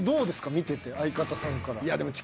見てて相方さんから。